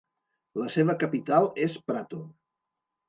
La seva capital és Prato.